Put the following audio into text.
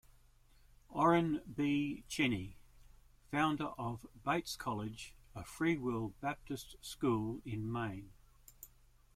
Oren B. Cheney, founder of Bates College, a Freewill Baptist school in Maine.